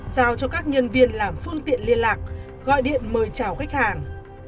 giao cho các nhân viên làm phương tiện liên lạc gọi điện mời chào khách hàng